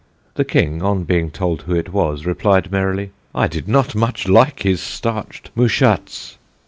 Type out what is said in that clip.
The King, on being told who it was, replied merrily, "I did not much like his starched mouchates."